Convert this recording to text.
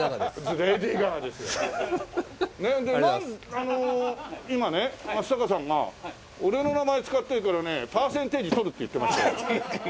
あの今ね松坂さんが「俺の名前使っていいからねパーセンテージ取る」って言ってましたよ。